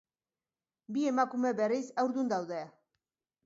Bi emakume, berriz, haurdun daude.